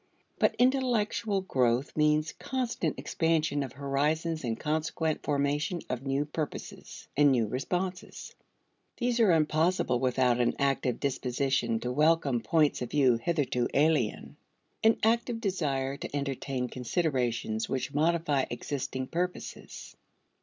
But intellectual growth means constant expansion of horizons and consequent formation of new purposes and new responses. These are impossible without an active disposition to welcome points of view hitherto alien; an active desire to entertain considerations which modify existing purposes.